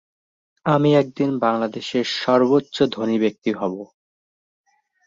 এই পরিমাণ পরবর্তিতে কতটুকু ক্ষয়প্রাপ্ত হয়েছে, তা নির্ণয় করে বস্তুটির সঠিক বয়স নির্ণয় করা যেতে পারে।